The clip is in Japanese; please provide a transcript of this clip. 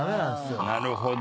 なるほど。